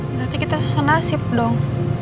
berarti kita susah nasib dong